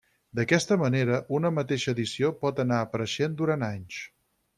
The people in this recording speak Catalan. D'aquesta manera, una mateixa edició pot anar apareixent durant anys.